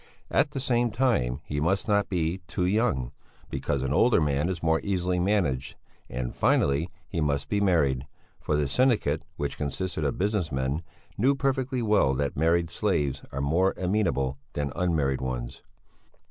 At the same time he must not be too young, because an older man is more easily managed; and finally, he must be married, for the syndicate, which consisted of business men, knew perfectly well that married slaves are more amenable than unmarried ones.